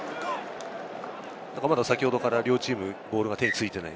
先ほどから両チーム、ボールが手についてない。